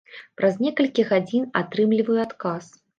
Праз некалькі гадзін атрымліваю адказ.